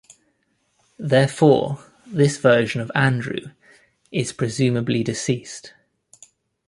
Therefore, this version of Andrew is presumably deceased.